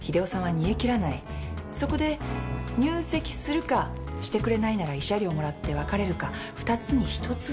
そこで入籍するかしてくれないなら慰謝料もらって別れるか二つに一つだと。